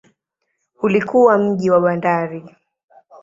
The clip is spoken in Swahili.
Ulikuwa mji wa bandari.